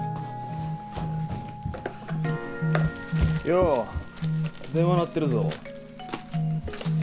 よう電話鳴ってるぞ。